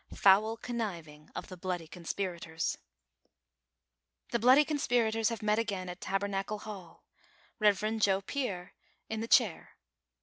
FOUL CONNIVIXG OF THE BLOODY CONSPIRATORS, I HE bloody conspirators have met again at Taber nacle Hall, Rev, Joe Fier in tlie chair.